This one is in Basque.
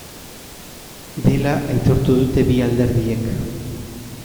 Dela aitortu dute bi alderdiek.